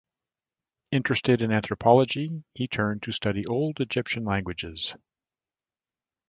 Interested in anthropology, he turned to study Old Egyptian languages.